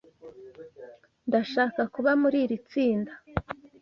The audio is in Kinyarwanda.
Ndashaka kuba muri iri tsinda.